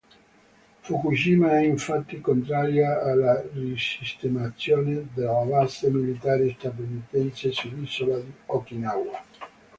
Fukushima è infatti contraria alla risistemazione della base militare statunitense sull'isola di Okinawa.